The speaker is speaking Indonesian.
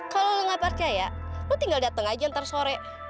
kalo lo gak percaya lo tinggal dateng aja ntar sore